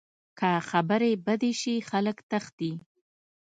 که خبرې بدې شي، خلک تښتي